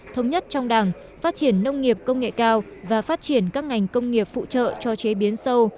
thống nhất trong đảng phát triển nông nghiệp công nghệ cao và phát triển các ngành công nghiệp phụ trợ cho chế biến sâu